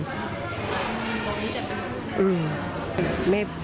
บอกว่านี่จะเป็นคนอื่น